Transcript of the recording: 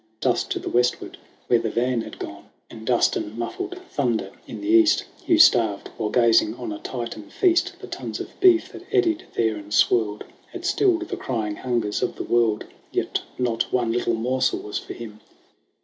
Dust to the westward where the van had gone, 66 SONG OF HUGH GLASS And dust and muffled thunder in the east ! Hugh starved while gazing on a Titan feast. The tons of beef, that eddied there and swirled, Had stilled the crying hungers of the world, Yet not one little morsel was for him.